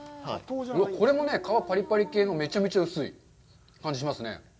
これもね、皮パリパリ系のめちゃめちゃ薄い感じしますね。